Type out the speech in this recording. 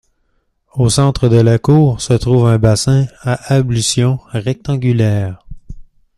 Au centre de la cour se trouve un bassin à ablutions rectangulaire.